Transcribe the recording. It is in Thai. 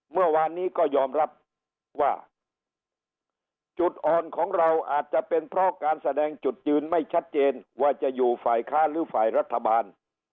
เมื่อวานนี้ก็ยอมรับว่าจุดอ่อนของเราอาจจะเป็นเพราะการแสดงจุดยืนไม่ชัดเจนว่าจะอยู่ฝ่ายค้าหรือฝ่ายรัฐบาล